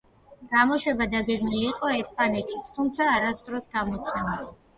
გამოშვება დაგეგმილი იყო ესპანეთშიც, თუმცა არასდროს გამოცემულა.